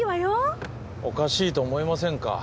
おかしいと思いませんか。